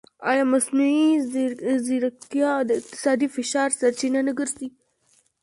ایا مصنوعي ځیرکتیا د اقتصادي فشار سرچینه نه ګرځي؟